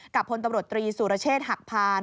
กับพตรสุรเชษฐ์หักพาน